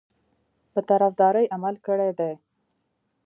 په طرفداري عمل کړی دی.